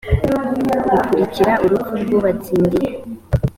ikurikira urupfu rw uwatsindiye